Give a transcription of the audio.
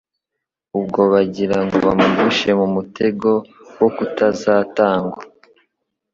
Ubwo bagira ngo bamugushe mu mutego wo kuzatangwa